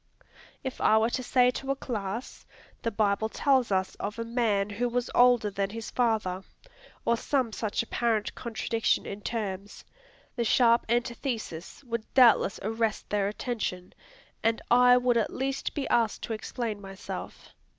If I were to say to a class, "The Bible tells us of a man who was older than his father," or some such apparent contradiction in terms, the sharp antithesis would doubtless arrest their attention, and I would at least be asked to explain myself.